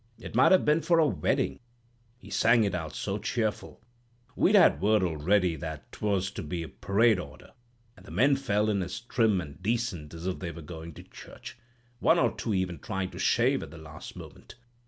It might have been for a wedding, he sang it out so cheerful. We'd had word already that 'twas to be parade order; and the men fell in as trim and decent as if they were going to church. One or two even tried to shave at the last moment.